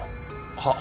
はっ。